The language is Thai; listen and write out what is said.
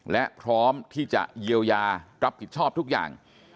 และพร้อมที่จะเยียวยารับผิดชอบทุกอย่าง